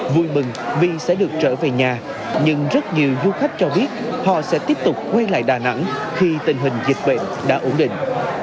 vui mừng vì sẽ được trở về nhà nhưng rất nhiều du khách cho biết họ sẽ tiếp tục quay lại đà nẵng khi tình hình dịch bệnh đã ổn định